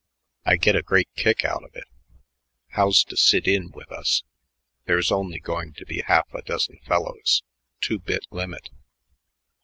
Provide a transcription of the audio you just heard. I get a great kick out of it. How's to sit in with us? There's only going to be half a dozen fellows. Two bit limit."